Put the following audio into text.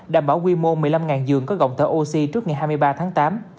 đảm bảo quy mô một mươi năm giường có gọng thở oxy trước ngày hai mươi ba tháng tám